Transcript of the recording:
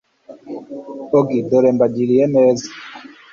Ogi Dore mbagiriye neza